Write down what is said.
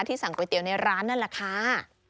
สั่งก๋วยเตี๋ยวในร้านนั่นแหละค่ะ